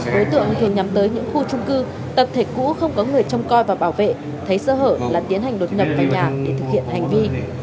đối tượng thường nhắm tới những khu trung cư tập thể cũ không có người trông coi và bảo vệ thấy sơ hở là tiến hành đột nhập vào nhà để thực hiện hành vi